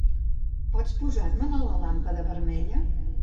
Pots posar-me la làmpada vermella?